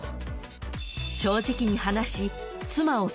［正直に話し］